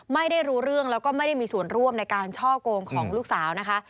ไม่ได้รู้เรื่องแล้วก็ไม่ได้มีส่วนร่วมในการช่อกงของลูกสาวนะคะ